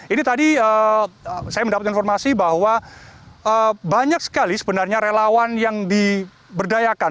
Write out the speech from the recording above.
ini tadi saya mendapatkan informasi bahwa banyak sekali sebenarnya relawan yang diberdayakan